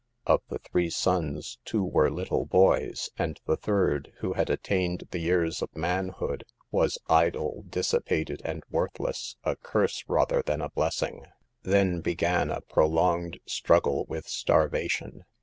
Of the three sons, two were little boys, and the third, who had attained the years of manhood, was idle, dissipated and worth less, a curse rather than a blessing. Then be gan a prolonged struggle with starvation.